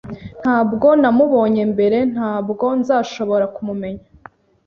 Ntabwo namubonye mbere, ntabwo nzashobora kumumenya.